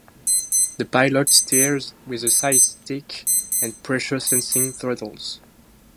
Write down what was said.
The pilot steers with a side-stick and pressure-sensing throttles.